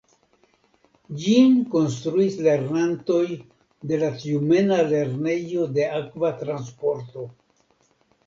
Ĝin konstruis lernantoj de la Tjumena Lernejo de Akva Transporto.